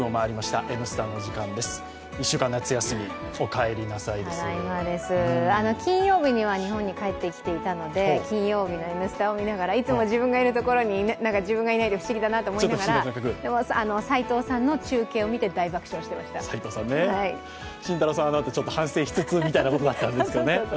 ただいまです、金曜日には日本に帰ってきていたので金曜日「Ｎスタ」を見ながら、いつも自分がいるところに自分がいないと不思議だなと思いながら、でも、齋藤さんの中継をみて慎太郎さん、あのあと反省しつつだったんですけどね。